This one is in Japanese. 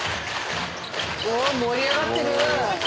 盛り上がってる。